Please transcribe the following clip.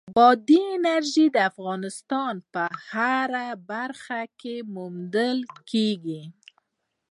بادي انرژي د افغانستان په هره برخه کې موندل کېږي.